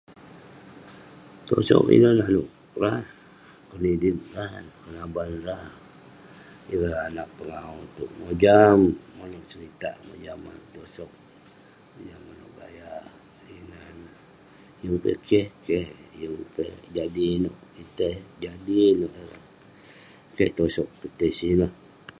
Tosog ineh nanouk rah, kenedit rah, kenaban rah. Ireh anag pengawu itouk, mojam manouk seritak, mojam manouk tosog, mojam manouk gaya. Ineh neh. Yeng peh keh, keh. Yeng peh jadi neh ketitei, jadi neh nouk ireh. Keh tosog touk tai sineh.